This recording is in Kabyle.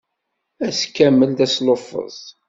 Ass kamel d asluffeẓ.